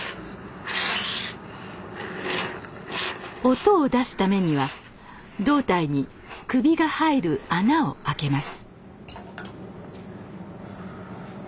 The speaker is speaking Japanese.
音を出すためには胴体に首が入る穴を開けます